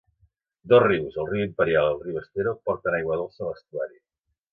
Dos rius, el riu Imperial i el riu Estero porten aigua dolça a l'estuari.